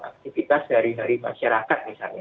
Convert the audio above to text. aktivitas hari hari masyarakat misalnya